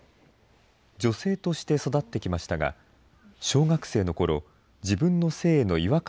女性として育ってきましたが、小学生のころ、自分の性への違和感